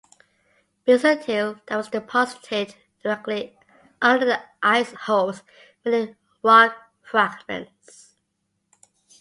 Basal till that was deposited directly under the ice holds many rock fragments.